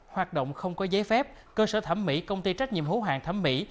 hoạt động không có giấy phép cơ sở thẩm mỹ công ty trách nhiệm hố hàng thẩm mỹ